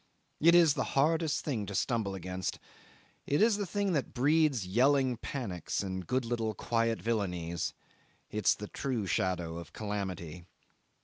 It is the hardest thing to stumble against; it is the thing that breeds yelling panics and good little quiet villainies; it's the true shadow of calamity.